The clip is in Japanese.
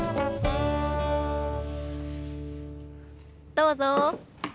どうぞ。